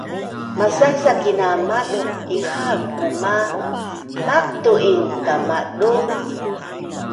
masasakin a maduq ihaan quma maqtu’in kamaduq